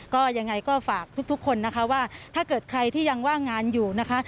ก็ยังไงก็ฝากทุกคนนะคะว่าถ้าเกิดใครที่ยังว่างงานอยู่นะคะ